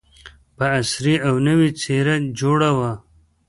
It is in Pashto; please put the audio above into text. په عصري او نوې څېره جوړه وه.